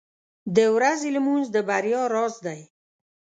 • د ورځې لمونځ د بریا راز دی.